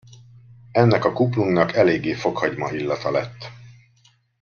Ennek a kuplungnak eléggé fokhagyma illata lett.